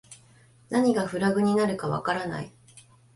何がフラグになるかわからない